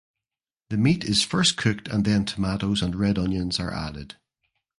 The meat is first cooked and then tomatoes and red onions are added.